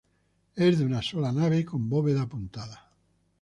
Es de una sola nave con bóveda apuntada.